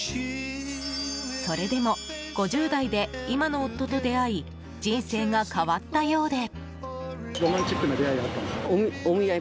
それでも５０代で今の夫と出会い人生が変わったようで。